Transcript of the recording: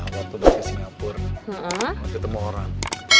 waktu udah ke singapura ketemu orang